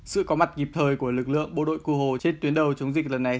sự có mặt dịp thời của lực lượng bộ đội cù hồ trên tuyến đầu chống dịch lần này